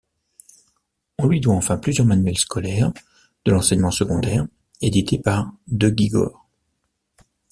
On lui doit enfin plusieurs manuels scolaires de l'enseignement secondaire, édités par de Gigord.